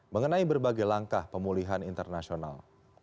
mengenai berbagai langkah pemulihan internasional